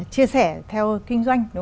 chia sẻ theo kinh doanh